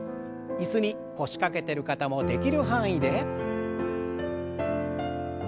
椅子に腰掛けてる方もできる範囲で。